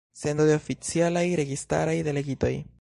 Sendo de oficialaj registaraj delegitoj.